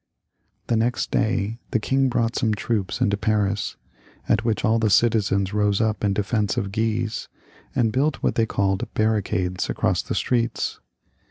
The next day the king brought some troops into Paris, at which all the citizens rose up in defence of Guise, and built what they called barricades across the streets.